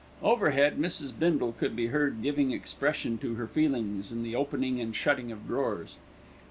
Overhead, Mrs. Bindle could be heard giving expression to her feelings in the opening and shutting of drawers.